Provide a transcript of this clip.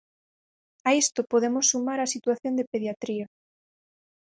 A isto podemos sumar a situación de pediatría.